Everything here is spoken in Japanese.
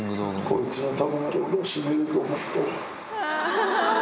こいつのためなら俺は死ねると思った。